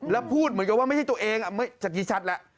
แล้วพูดเหมือนกับว่าไม่ใช่ตัวเองเมื่อกี้ชัดแล้ว